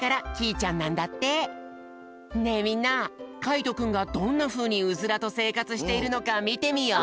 ねえみんなかいとくんがどんなふうにウズラとせいかつしているのかみてみよう！